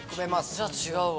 じゃあ違うわ。